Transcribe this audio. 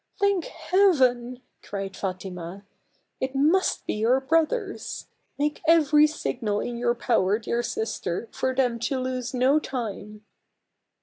" "Thank H eaven!" cried Fatima, " it must be our brothers. Make every signal in your power, dear sister, for them to lose no time."